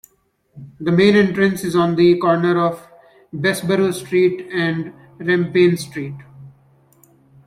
The main entrance is on the corner of Bessborough Street and Rampayne Street.